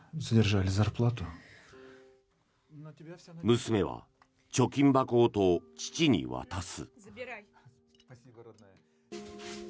娘は貯金箱ごと父に渡す。